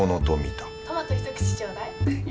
トマトひと口ちょうだい。